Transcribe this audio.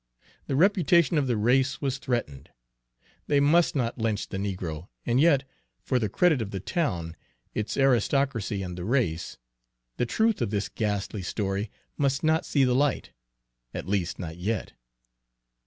The reputation of the race was threatened. They must not lynch the negro, and yet, for the credit of the town, its aristocracy, and the race, the truth of this ghastly story must not see the light, at least not yet.